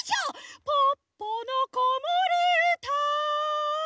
「ポッポのこもりうた」